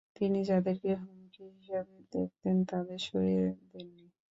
তিনি যাদেরকে হুমকি হিসেবে দেখতেন তাদের সরিয়ে দেননি।